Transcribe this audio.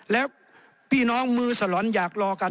แล้วพี่น้องมือสลอนอยากรอกัน